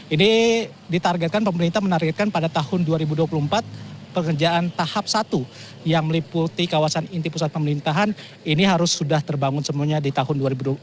ini ditargetkan pemerintah menargetkan pada tahun dua ribu dua puluh empat pengerjaan tahap satu yang meliputi kawasan inti pusat pemerintahan ini harus sudah terbangun semuanya di tahun dua ribu dua puluh empat